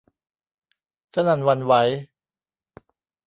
สนั่นหวั่นไหว